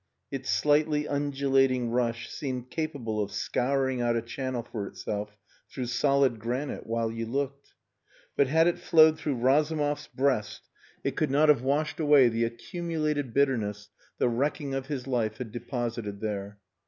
Its slightly undulating rush seemed capable of scouring out a channel for itself through solid granite while you looked. But had it flowed through Razumov's breast, it could not have washed away the accumulated bitterness the wrecking of his life had deposited there.